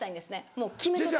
もう決めてて。